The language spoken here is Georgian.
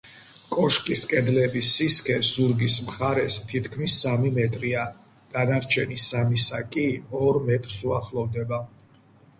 კოშკის კედლების სისქე ზურგის მხარეს თითქმის სამი მეტრია, დანარჩენი სამისა კი, ორ მეტრს უახლოვდება.